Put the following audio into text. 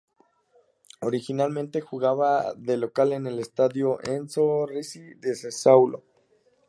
Originalmente jugaba de local en el Stadio Enzo Ricci de Sassuolo.